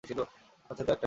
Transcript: আছে তো এই একটাই।